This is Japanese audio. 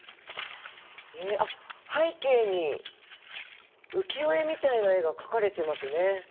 えあっ背景に浮世絵みたいな絵が描かれてますね。